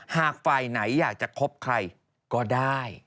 หากฝ่ายไหนอยากจะคบใครก็ได้